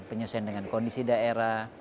penyesuaian dengan kondisi daerah